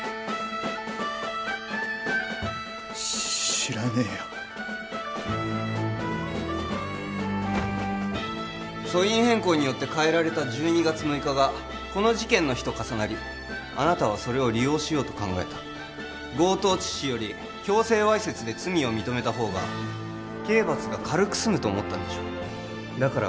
知らねえよ訴因変更によって変えられた１２月６日がこの事件の日と重なりあなたはそれを利用しようと考えた強盗致死より強制わいせつで罪を認めた方が刑罰が軽く済むと思ったんでしょうだから